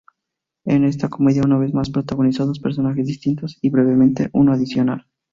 En esta comedia una vez más protagonizó dos personajes distintos y brevemente, uno adicional.